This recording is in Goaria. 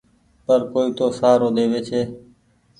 پر ڪوئي تو کآرو ۮيوي ڇي۔